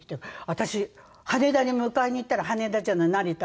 私羽田に迎えに行ったら羽田じゃない成田。